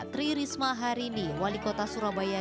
tri risma harini wali kota surabaya